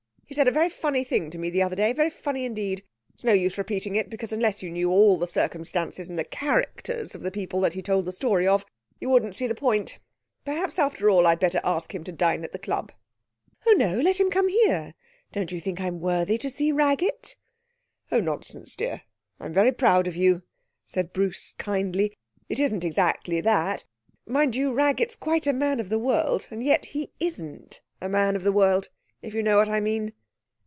'He said a very funny thing to me the other day. Very funny indeed. It's no use repeating it, because unless you knew all the circumstances and the characters of the people that he told the story of, you wouldn't see the point. Perhaps, after all, I'd better ask him to dine at the club.' 'Oh no! Let him come here. Don't you think I'm worthy to see Raggett?' 'Oh nonsense, dear, I'm very proud of you,' said Bruce kindly. 'It isn't exactly that.... Mind you, Raggett's quite a man of the world and yet he isn't a man of the world, if you know what I mean.'